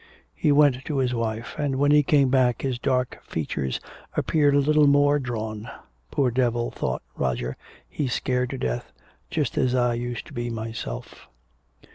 He went to his wife. And when he came back his dark features appeared a little more drawn. "Poor devil," thought Roger, "he's scared to death just as I used to be myself."